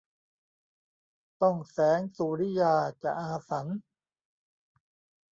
ต้องแสงสุริยาจะอาสัญ